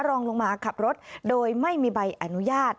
รองลงมาขับรถโดยไม่มีใบอนุญาต